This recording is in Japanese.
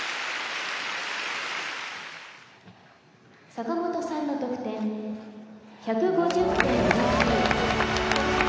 「坂本さんの得点１５０．２９」